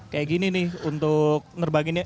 kayak gini nih untuk nerbaginya